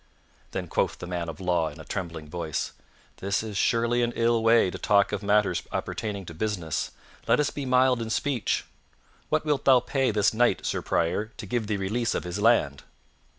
Then quoth the man of law in a trembling voice, "This is surely an ill way to talk of matters appertaining to business; let us be mild in speech. What wilt thou pay this knight, Sir Prior, to give thee release of his land?"